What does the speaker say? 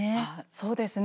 そうですね。